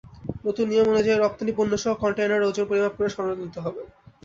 নতুন নিয়মানুযায়ী, রপ্তানি পণ্যসহ কনটেইনারের ওজন পরিমাপ করে সনদ নিতে হবে।